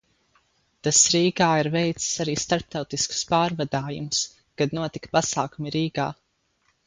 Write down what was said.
Tas Rīgā ir veicis arī starptautiskus pārvadājumus, kad notika pasākumi Rīgā.